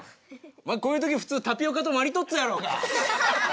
こういう時ふつうタピオカとマリトッツォやろうが！